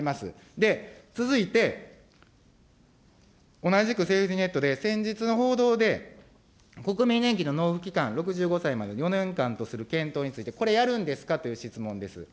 続いて、同じくセーフティーネットで、先日の報道で、国民年金の納付期間、６５歳まで４年間とする検討について、これ、やるんですかという質問です。